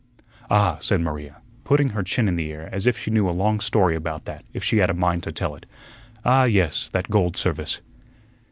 "Ah," said Maria, putting her chin in the air as if she knew a long story about that if she had a mind to tell it. "Ah, yes, that gold service."